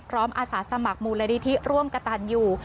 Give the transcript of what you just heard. พร้อมอาสาสมัครมูลดิที่ร่วมกระตันอยู่